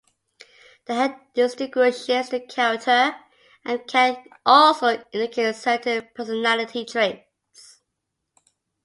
The hair distinguishes the character and can also indicate certain personality traits.